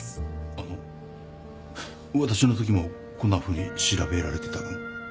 あの私のときもこんなふうに調べられてたの？